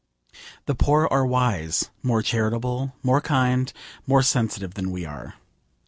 ... The poor are wise, more charitable, more kind, more sensitive than we are.